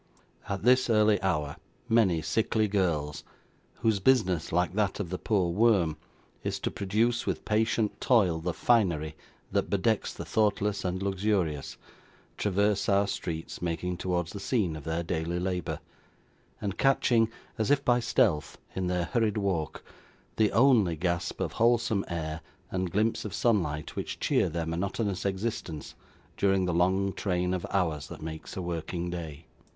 At this early hour many sickly girls, whose business, like that of the poor worm, is to produce, with patient toil, the finery that bedecks the thoughtless and luxurious, traverse our streets, making towards the scene of their daily labour, and catching, as if by stealth, in their hurried walk, the only gasp of wholesome air and glimpse of sunlight which cheer their monotonous existence during the long train of hours that make a working day.